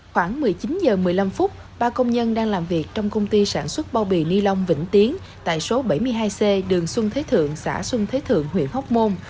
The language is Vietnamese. khoảng một mươi chín h một mươi năm phút ba công nhân đang làm việc trong công ty sản xuất bao bì ni lông vĩnh tiến tại số bảy mươi hai c đường xuân thế thượng xã xuân thế thượng huyện hóc môn